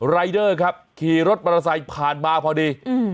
รายเดอร์ครับขี่รถประสัยผ่านมาพอดีอืม